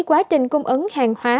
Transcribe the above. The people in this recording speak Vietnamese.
quá trình cung ứng hàng hóa